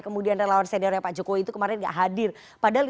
kelihatannya setelah ini